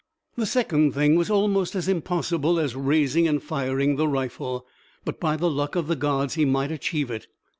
The second thing was almost as impossible as raising and firing the rifle; but by the luck of the gods he might achieve it.